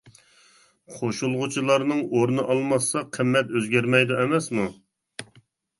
قوشۇلغۇچىلارنىڭ ئورنى ئالماشسا قىممەت ئۆزگەرمەيدۇ ئەمەسمۇ.